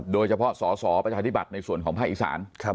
โดยเฉพาะสอสอประชาธิบัติในส่วนของภาคอีสาน